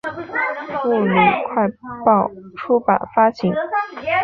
物理快报出版发行。